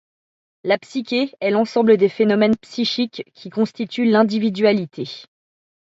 La psyché est l'ensemble des phénomènes psychiques qui constituent l'individualité.